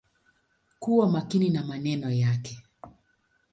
Kuwa makini na maneno yako.